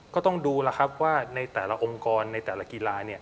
ก็ต้องดูแล้วครับว่าในแต่ละองค์กรในแต่ละกีฬา